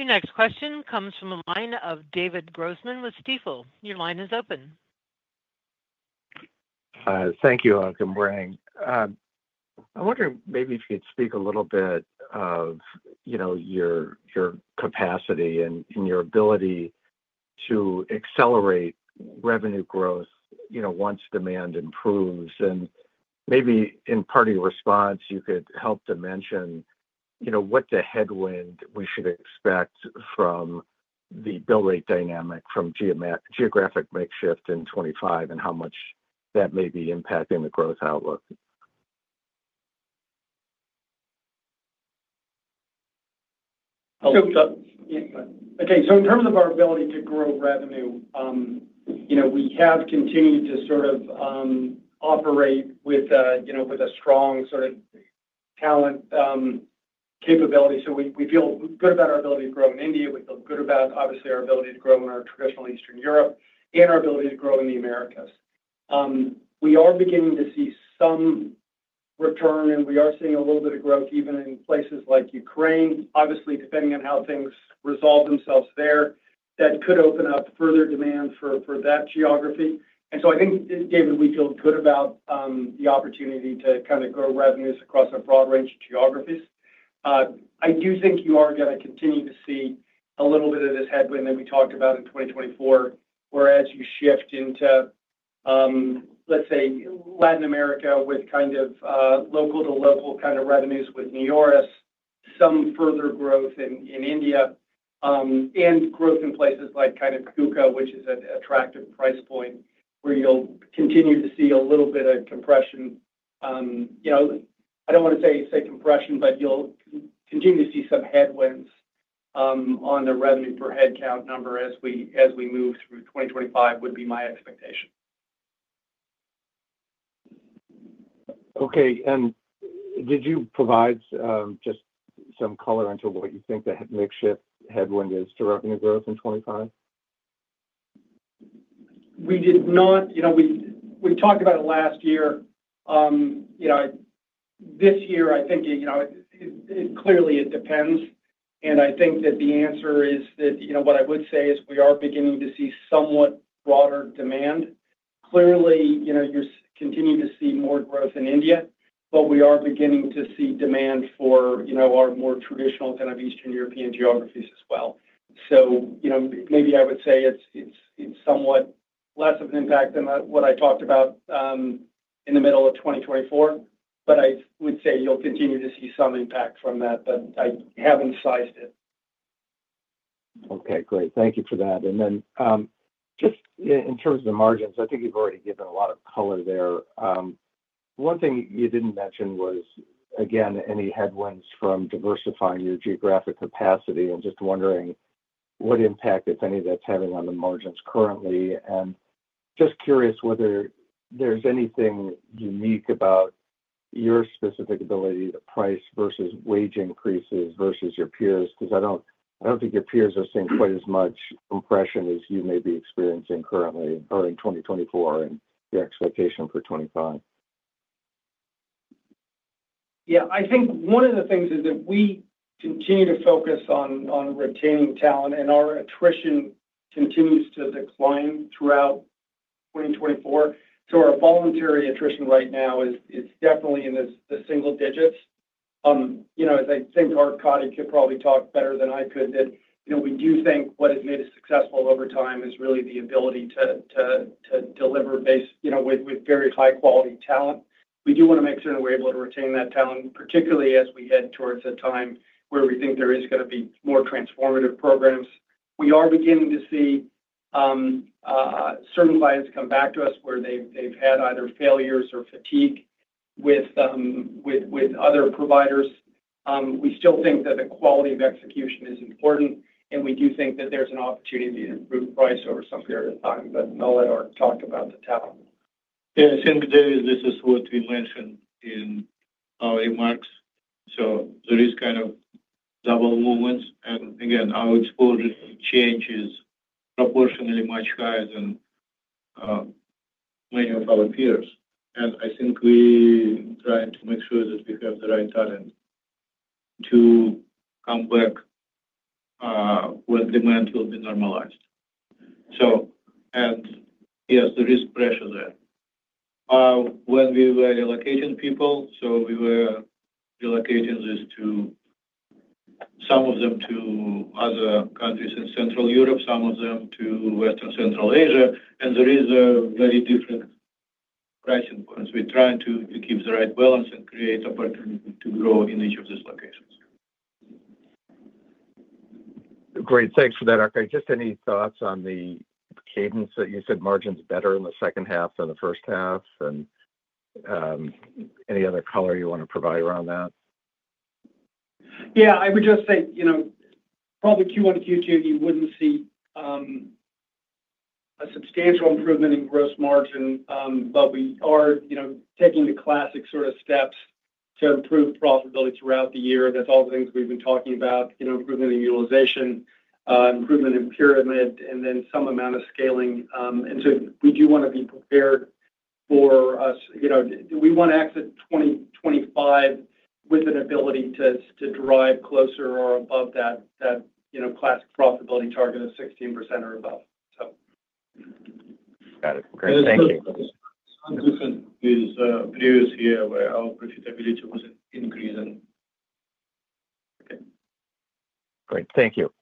Your next question comes from a line of David Grossman with Stifel. Your line is open. Thank you, Ark and Brian. I'm wondering maybe if you could speak a little bit of your capacity and your ability to accelerate revenue growth once demand improves. And maybe in part of your response, you could help to mention what the headwind we should expect from the bill rate dynamic from geographic mix shift in 2025 and how much that may be impacting the growth outlook. Okay, so in terms of our ability to grow revenue, we have continued to sort of operate with a strong sort of talent capability. We feel good about our ability to grow in India. We feel good about, obviously, our ability to grow in our traditional Eastern Europe and our ability to grow in the Americas. We are beginning to see some return, and we are seeing a little bit of growth even in places like Ukraine, obviously, depending on how things resolve themselves there. That could open up further demand for that geography, and so I think, David, we feel good about the opportunity to kind of grow revenues across a broad range of geographies. I do think you are going to continue to see a little bit of this headwind that we talked about in 2024, as you shift into, let's say, Latin America with kind of local to local kind of revenues with Neoris, some further growth in India, and growth in places like kind of Kazakhstan, which is an attractive price point where you'll continue to see a little bit of compression. I don't want to say compression, but you'll continue to see some headwinds on the revenue per head count number as we move through 2025, would be my expectation. Okay. And did you provide just some color into what you think the mix shift headwind is to revenue growth in 2025? We did not. We talked about it last year. This year, I think clearly it depends. And I think that the answer is that what I would say is we are beginning to see somewhat broader demand. Clearly, you're continuing to see more growth in India, but we are beginning to see demand for our more traditional kind of Eastern European geographies as well. So maybe I would say it's somewhat less of an impact than what I talked about in the middle of 2024, but I would say you'll continue to see some impact from that, but I haven't sized it. Okay. Great. Thank you for that. And then just in terms of the margins, I think you've already given a lot of color there. One thing you didn't mention was, again, any headwinds from diversifying your geographic capacity. I'm just wondering what impact, if any, that's having on the margins currently. And just curious whether there's anything unique about your specific ability, the price versus wage increases versus your peers, because I don't think your peers are seeing quite as much compression as you may be experiencing currently or in 2024 and your expectation for 2025. Yeah. I think one of the things is that we continue to focus on retaining talent, and our attrition continues to decline throughout 2024. So our voluntary attrition right now is definitely in the single digits. As I think Ark and Connie could probably talk better than I could, that we do think what has made us successful over time is really the ability to deliver with very high-quality talent. We do want to make sure that we're able to retain that talent, particularly as we head towards a time where we think there is going to be more transformative programs. We are beginning to see certain clients come back to us where they've had either failures or fatigue with other providers. We still think that the quality of execution is important, and we do think that there's an opportunity to improve price over some period of time, but I'll let Ark talk about the talent. Yeah. Same David. This is what we mentioned in our remarks, so there is kind of double movements, and again, our exposure to change is proportionally much higher than many of our peers, and I think we're trying to make sure that we have the right talent to come back when demand will be normalized, and yes, there is pressure there. When we were relocating people, so we were relocating some of them to other countries in Central Europe, some of them to Western Central Asia, and there is a very different pricing point. We're trying to keep the right balance and create opportunity to grow in each of these locations. Great. Thanks for that, Ark. Just any thoughts on the cadence that you said margins better in the second half than the first half? And any other color you want to provide around that? Yeah. I would just say probably Q1 to Q2, you wouldn't see a substantial improvement in gross margin, but we are taking the classic sort of steps to improve profitability throughout the year. That's all the things we've been talking about: improvement in utilization, improvement in pyramid, and then some amount of scaling. And so we do want to be prepared for us. We want to exit 2025 with an ability to drive closer or above that classic profitability target of 16% or above, so. Got it. Great. Thank you. The reason is previous year where our profitability was increasing. Okay. Great. Thank you.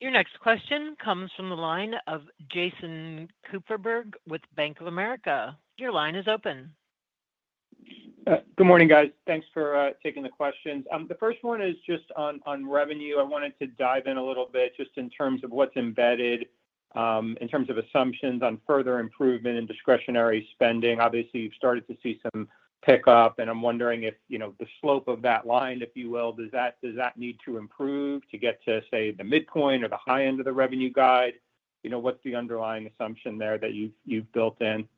Your next question comes from the line of Jason Kupferberg with Bank of America. Your line is open. Good morning, guys. Thanks for taking the questions. The first one is just on revenue. I wanted to dive in a little bit just in terms of what's embedded in terms of assumptions on further improvement in discretionary spending. Obviously, you've started to see some pickup, and I'm wondering if the slope of that line, if you will, does that need to improve to get to, say, the midpoint or the high end of the revenue guide? What's the underlying assumption there that you've built in?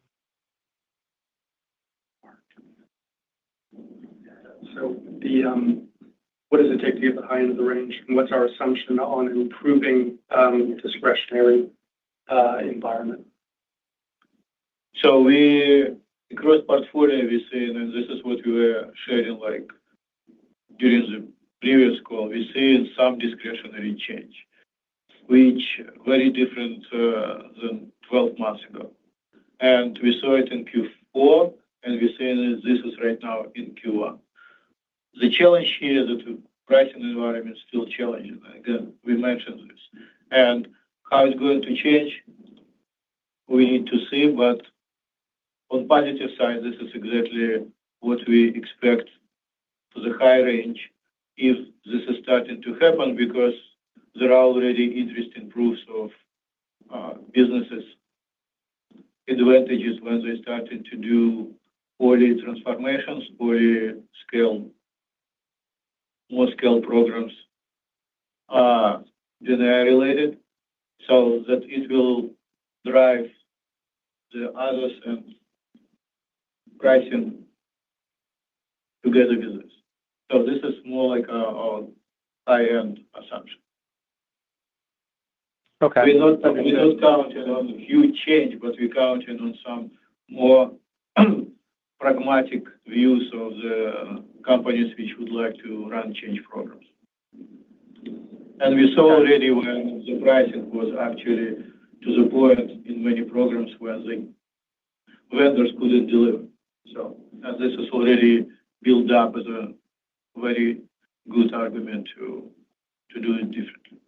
So what does it take to get the high end of the range? And what's our assumption on improving discretionary environment? So the gross portfolio we see, and this is what we were sharing during the previous call, we see some discretionary change, which is very different than 12 months ago. And we saw it in Q4, and we're seeing this is right now in Q1. The challenge here is that the pricing environment is still challenging. Again, we mentioned this. And how it's going to change, we need to see. But on the positive side, this is exactly what we expect for the high range if this is starting to happen because there are already interesting proofs of businesses' advantages when they're starting to do all the transformations, all the more scale programs that are related, so that it will drive the others and pricing together with this. So this is more like a high-end assumption. We're not counting on a huge change, but we're counting on some more pragmatic views of the companies which would like to run change programs, and we saw already when the pricing was actually to the point in many programs where the vendors couldn't deliver. So this is already built up as a very good argument to do it differently,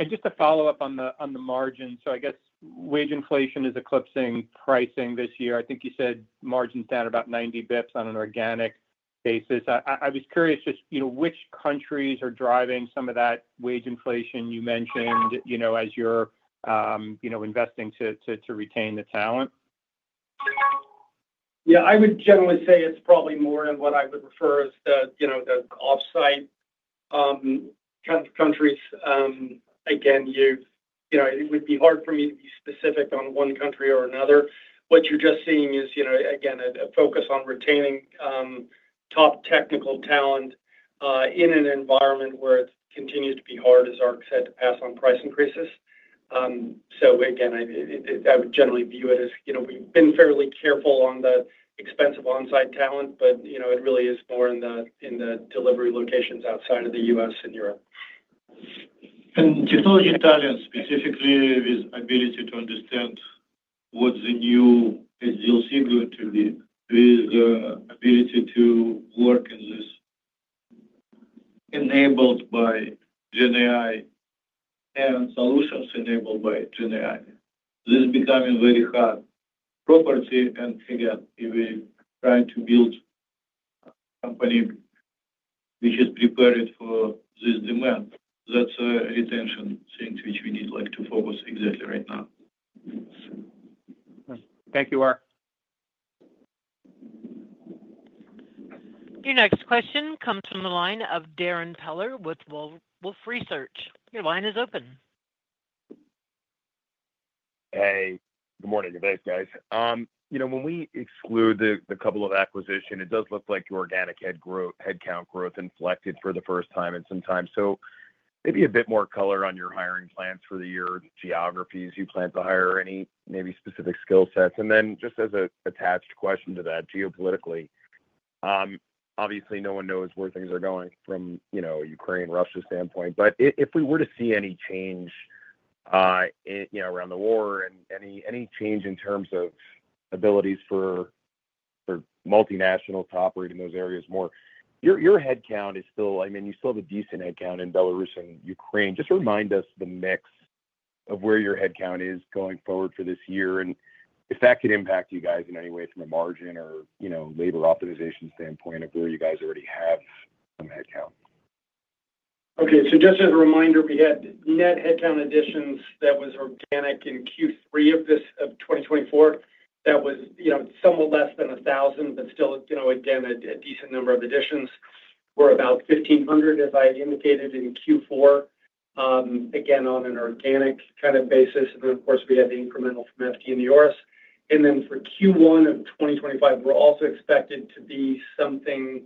and just to follow up on the margins, so I guess wage inflation is eclipsing pricing this year. I think you said margins down about 90 basis points on an organic basis. I was curious just which countries are driving some of that wage inflation you mentioned as you're investing to retain the talent? Yeah. I would generally say it's probably more than what I would refer as the offsite kind of countries. Again, it would be hard for me to be specific on one country or another. What you're just seeing is, again, a focus on retaining top technical talent in an environment where it continues to be hard, as Arc said, to pass on price increases. So again, I would generally view it as we've been fairly careful on the expense of onsite talent, but it really is more in the delivery locations outside of the US and Europe. And to tell you Italians, specifically with ability to understand what the new SDLC is going to be, with the ability to work in this enabled by GenAI and solutions enabled by GenAI, this is becoming very hard. Property and again, if we're trying to build a company which is prepared for this demand, that's a retention thing which we need to focus exactly right now. Thank you, Ark. Your next question comes from the line of Darren Peller with Wolfe Research. Your line is open. Hey. Good morning. Hey guys. When we exclude the couple of acquisitions, it does look like your organic headcount growth inflected for the first time in some time. So maybe a bit more color on your hiring plans for the year, geographies you plan to hire, any maybe specific skill sets. And then just as an attached question to that, geopolitically, obviously, no one knows where things are going from a Ukraine-Russia standpoint. But if we were to see any change around the war and any change in terms of abilities for multinationals to operate in those areas more, your headcount is still, I mean, you still have a decent headcount in Belarus and Ukraine. Just remind us the mix of where your headcount is going forward for this year and if that could impact you guys in any way from a margin or labor optimization standpoint of where you guys already have some headcount. Okay. So just as a reminder, we had net headcount additions that was organic in Q3 of 2024. That was somewhat less than 1,000, but still, again, a decent number of additions. We're about 1,500, as I indicated in Q4, again, on an organic kind of basis. And then, of course, we had the incremental from FD in the U.S. And then for Q1 of 2025, we're also expected to be something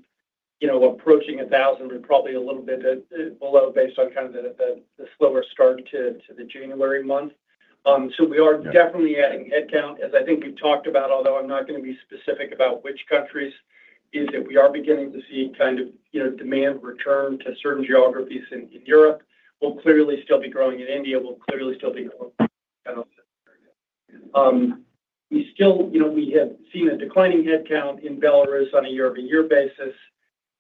approaching 1,000, but probably a little bit below based on kind of the slower start to the January month. So we are definitely adding headcount, as I think we've talked about, although I'm not going to be specific about which countries. Is that we are beginning to see kind of demand return to certain geographies in Europe. We'll clearly still be growing in India. We'll clearly still be growing in other areas. We have seen a declining headcount in Belarus on a year-over-year basis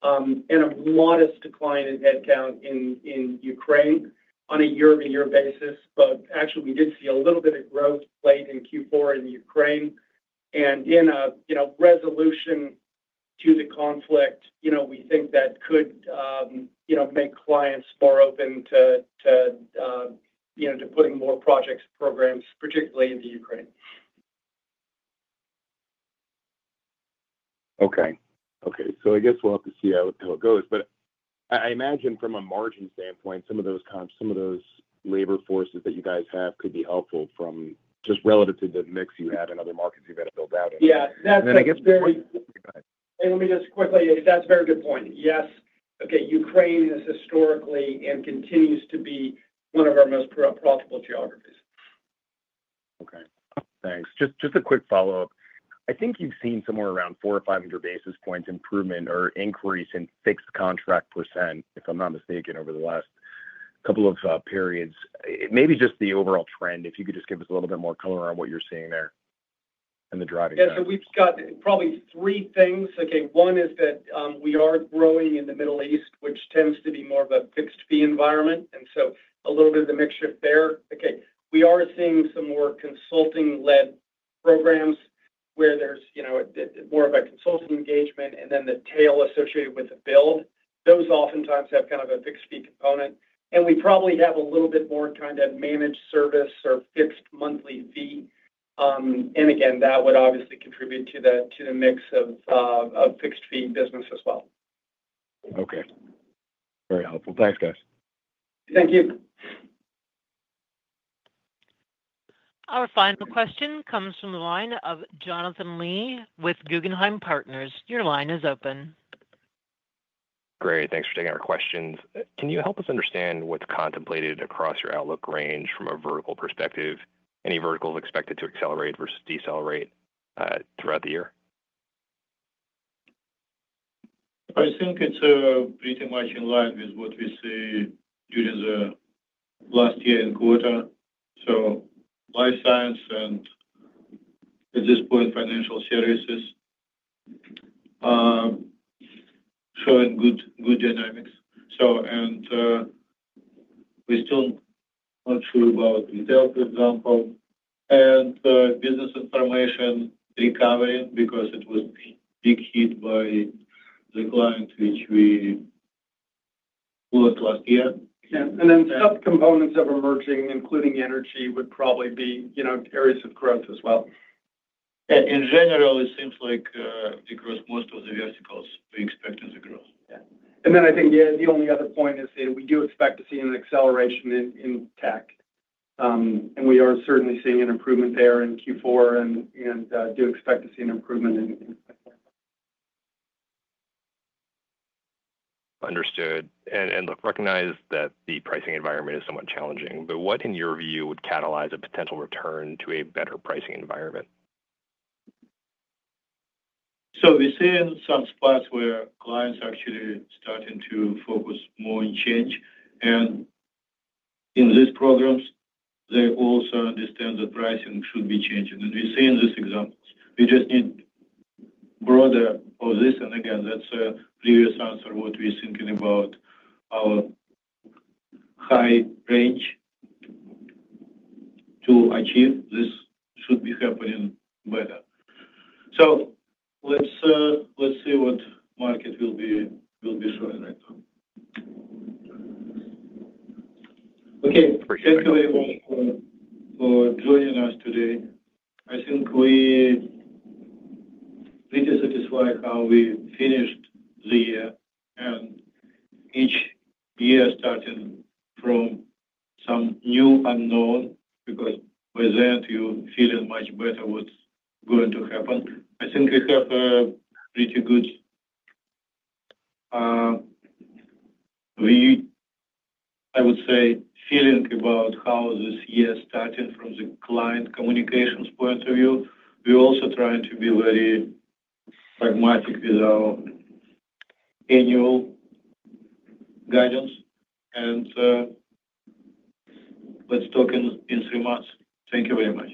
and a modest decline in headcount in Ukraine on a year-over-year basis. But actually, we did see a little bit of growth late in Q4 in Ukraine. And in resolution to the conflict, we think that could make clients more open to putting more projects and programs, particularly in Ukraine. Okay. Okay. So I guess we'll have to see how it goes. But I imagine from a margin standpoint, some of those labor forces that you guys have could be helpful from just relative to the mix you had and other markets you've had to build out. Yeah. That's very good. Hey, let me just quickly, that's a very good point. Yes. Okay. Ukraine is historically and continues to be one of our most profitable geographies. Okay. Thanks. Just a quick follow-up. I think you've seen somewhere around four or five hundred basis points improvement or increase in fixed contract percent, if I'm not mistaken, over the last couple of periods. Maybe just the overall trend, if you could just give us a little bit more color on what you're seeing there and the driving factors. Yeah. So we've got probably three things. Okay. One is that we are growing in the Middle East, which tends to be more of a fixed-fee environment. And so a little bit of the mixture there. Okay. We are seeing some more consulting-led programs where there's more of a consulting engagement and then the tail associated with the build. Those oftentimes have kind of a fixed-fee component. And we probably have a little bit more kind of managed service or fixed monthly fee. And again, that would obviously contribute to the mix of fixed-fee business as well. Okay. Very helpful. Thanks, guys. Thank you. Our final question comes from the line of Jonathan Lee with Guggenheim Partners. Your line is open. Great. Thanks for taking our questions. Can you help us understand what's contemplated across your outlook range from a vertical perspective? Any verticals expected to accelerate versus decelerate throughout the year? I think it's pretty much in line with what we see during the last year and quarter. So life science and, at this point, financial services showing good dynamics, and we're still not sure about retail, for example, and business information recovering because it was a big hit by the client which we bought last year, and then subcomponents of emerging, including energy, would probably be areas of growth as well. In general, it seems like across most of the verticals, we expect to see growth. Yeah, and then I think the only other point is that we do expect to see an acceleration in tech, and we are certainly seeing an improvement there in Q4 and do expect to see an improvement in. Understood, and recognize that the pricing environment is somewhat challenging, but what, in your view, would catalyze a potential return to a better pricing environment? So we're seeing some spots where clients are actually starting to focus more on change. In these programs, they also understand that pricing should be changing. We're seeing these examples. We just need broader of this. Again, that's a previous answer to what we're thinking about our high range to achieve this should be happening better. Let's see what the market will be showing right now. Okay. Thank you very much for joining us today. I think we're pretty satisfied how we finished the year. Each year starting from some new unknown because by then, you're feeling much better what's going to happen. I think we have a pretty good, I would say, feeling about how this year is starting from the client communications point of view. We're also trying to be very pragmatic with our annual guidance. Let's talk in three months. Thank you very much.